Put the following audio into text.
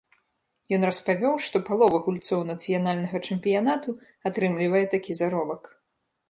Ён распавёў, што палова гульцоў нацыянальнага чэмпіянату атрымлівае такі заробак.